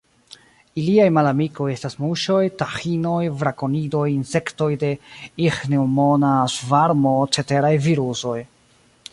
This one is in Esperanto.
Iliaj malamikoj estas muŝoj, taĥinoj, brakonidoj, insektoj de iĥneŭmona svarmo, ceteraj virusoj.